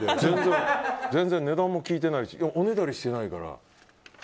全然、値段も聞いてないしおねだりしてないから。